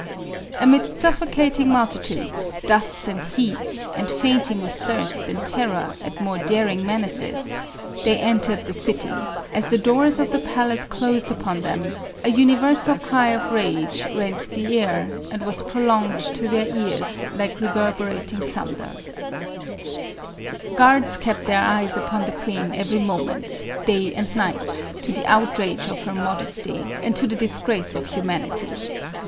Amidst suffocating multitudes, dust and heat, and fainting with thirst and terror at more daring menaces, they entered the city; as the doors of the palace closed upon them, an universal cry of rage rent the air and was prolonged to their ears like reverberating thunder. 20* 466 MARIE ANTOINETTE. Guards k.ept their eyes upon the queen every moment, day and night, to the outrage of her modesty and to the disgrace of humanity.